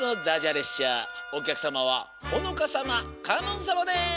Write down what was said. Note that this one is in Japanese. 列車おきゃくさまはほのかさまかのんさまです。